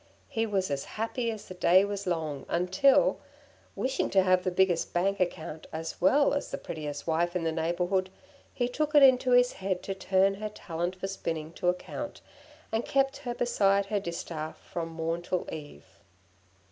She was as happy as the day was long until, wishing to have the biggest bank account as well as the prettiest wife in the neighbourhood, he took it into his head to turn her talent for spinning to account, and kept her beside her distaff from morn till eve.